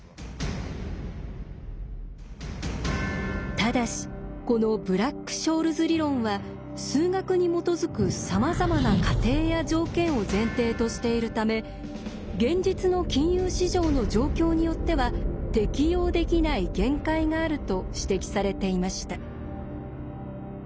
ただしこのブラック・ショールズ理論は数学に基づくさまざまな仮定や条件を前提としているため現実の金融市場の状況によっては適用できない限界があると指摘されていました。